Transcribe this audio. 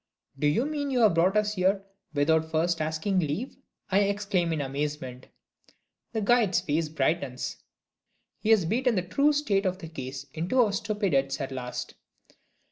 "Do you mean that you have brought us here without first asking leave?" I exclaim in amazement. The guide's face brightens; he has beaten the true state of the case into our stupid heads at last!